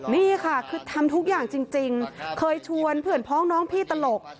นี่ค่ะคือทำทุกอย่างจริงเคยชวนเพื่อนพ้องน้องพี่ตลก